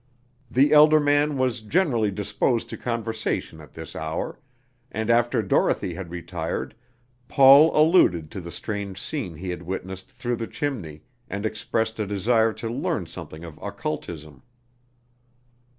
The elder man was generally disposed to conversation at this hour; and after Dorothy had retired, Paul alluded to the strange scene he had witnessed through the chimney, and expressed a desire to learn something of occultism.